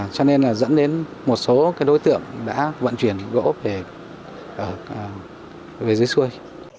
cho nên là dẫn đến một số đối tượng đã vận chuyển gỗ về dưới xuôi